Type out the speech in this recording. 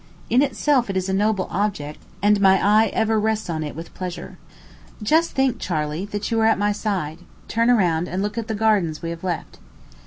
In itself it is a noble object, and my eye ever rests on it with pleasure. Just think, Charley, that you are at my side: turn round, and look at the gardens we have left.